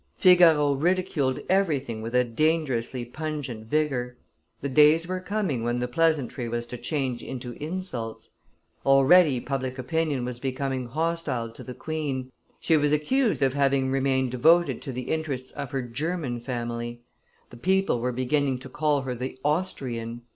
Figaro ridiculed everything with a dangerously pungent vigor; the days were coming when the pleasantry was to change into insults. Already public opinion was becoming hostile to the queen: she was accused of having remained devoted to the interests of her German family; the people were beginning to call her the Austrian.